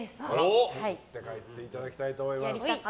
持ち帰っていただきたいと思います。